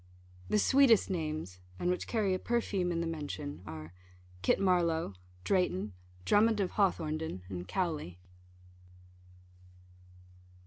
The sweetest names, and which carry a perfume in the mention, are, Kit Marlowe, Drayton, Drummond of Hawthornden, and Cowley.